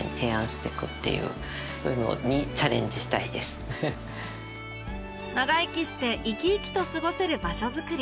桑原さんが長生きしていきいきと過ごせる場所づくり